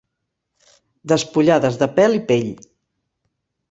Despullades de pèl i pell.